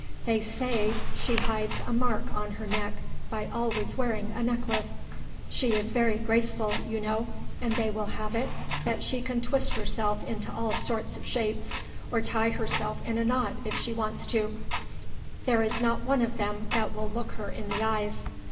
They say she hides a mark on her neck by always wearing a necklace. She is very graceful, you know, and they will have it that she can twist herself into all sorts of shapes, or tie herself in a knot, if she wants to. There is not one of them that will look her in the eyes.